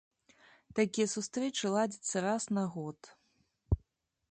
Такія сустрэчы ладзяцца раз на год.